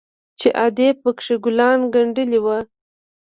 چې ادې پکښې ګلان گنډلي وو.